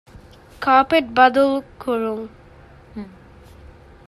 ކާޕެޓް ބަދަލުކުރުން